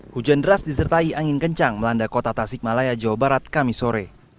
hujan deras disertai angin kencang melanda kota tasik malaya jawa barat kami sore